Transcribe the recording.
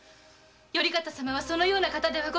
頼方様はそのような方では。